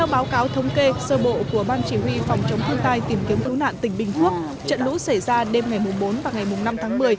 bộ của ban chỉ huy phòng chống thương tai tìm kiếm lũ nạn tỉnh bình phước trận lũ xảy ra đêm ngày bốn và ngày năm tháng một mươi